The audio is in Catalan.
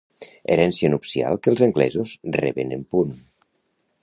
Herència nupcial que els anglesos reben en punt.